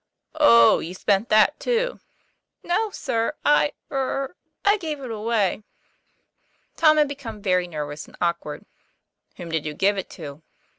TOM PLA YFAIR. 163 "Oh, you spent that too." "No, sir, I er I gave it away." Tom had become very nervous and awkward. " Whom did you give it to?